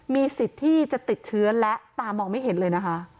มีสิทธิ์ที่จะติดเชื้อและตามองไม่เห็นเลยนะคะ